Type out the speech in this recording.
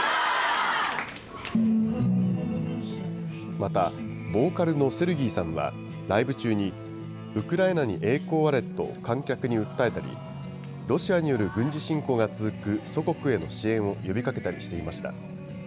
また、ボーカルのセルギーさんは、ライブ中に、ウクライナに栄光あれと観客に訴えたり、ロシアによる軍事侵攻が続く祖国への支援を呼びかけたりしていました。